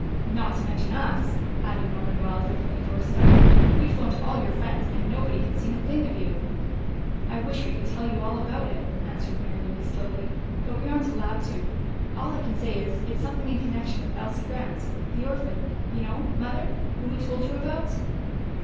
"Not to mention us," added Norman Wilder from the doorstep. "We phoned all your friends, and nobody had seen a thing of you." "I wish we could tell you all about it," answered Mary Louise slowly. "But we aren't allowed to. All I can say is, it's something in connection with Elsie Grant the orphan, you know, Mother, whom we told you about."